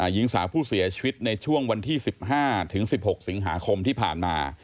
หญิงสาวผู้เสียชีวิตในช่วงวันที่๑๕๑๖สิงหาคมที่ผ่านมา